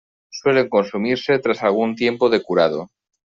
Suelen consumirse tras algún tiempo de curado.